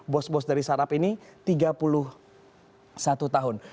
bos bos dari startup ini tiga puluh satu tahun